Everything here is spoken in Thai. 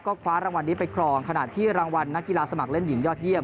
คว้ารางวัลนี้ไปครองขณะที่รางวัลนักกีฬาสมัครเล่นหญิงยอดเยี